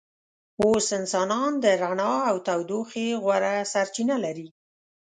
اوس انسانان د رڼا او تودوخې غوره سرچینه لري.